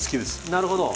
なるほど。